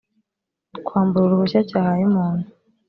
kwambura uruhushya cyahaye umuntu